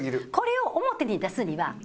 これを表に出すには。